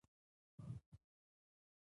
چې مړ شوې، نو پړ شوې.